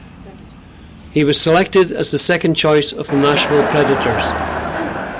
He was selected as the second choice of the Nashville Predators.